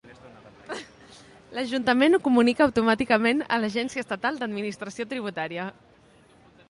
L'ajuntament ho comunica automàticament a l'Agència Estatal d'Administració Tributària.